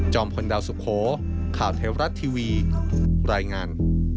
พลดาวสุโขข่าวเทวรัฐทีวีรายงาน